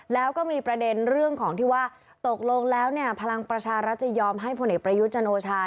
แล้วก็มีประเด็นเรื่องของที่ว่าตกลงแล้วเนี่ยพลังประชารัฐจะยอมให้ผลเอกประยุทธ์จันโอชา